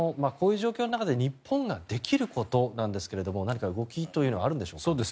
こういう状況の中で日本ができることなんですが何か、動きというのはあるんでしょうか。